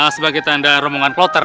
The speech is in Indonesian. sebagai tanda romongan plotter